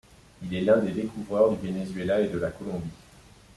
Il est l'un des découvreurs du Venezuela et de la Colombie.